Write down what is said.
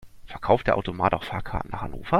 Verkauft der Automat auch Fahrkarten nach Hannover?